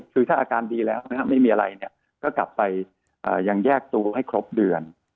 คือถ้าอาการดีแล้วไม่มีอะไรก็กลับไปยังแยกตัวให้ครบเดือน